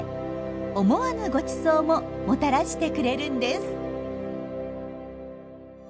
思わぬごちそうももたらしてくれるんです。